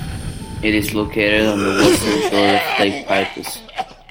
It is located on the western shore of Lake Peipus.